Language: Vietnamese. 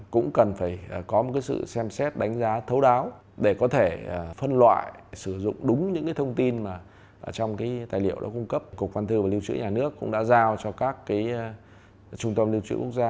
cục văn thư và lưu trữ nhà nước cũng đã giao cho các trung tâm lưu trữ quốc gia